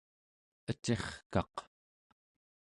ecirkaq